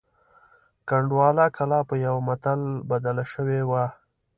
کنډواله کلا په یوه متل بدله شوې وه.